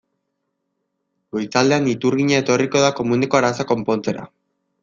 Goizaldean iturgina etorriko da komuneko arazoa konpontzera.